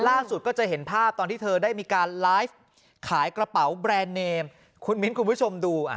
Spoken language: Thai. ล่าสุดก็จะเห็นภาพตอนที่เธอได้มีการไลฟ์ขายกระเป๋าแบรนด์เนมคุณมิ้นคุณผู้ชมดู